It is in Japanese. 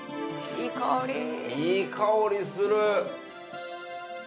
いい香りする！